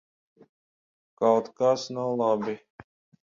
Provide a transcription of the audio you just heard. Kaut kas nav labi?